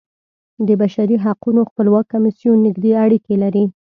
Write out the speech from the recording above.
د بشري حقونو خپلواک کمیسیون نږدې اړیکې لري.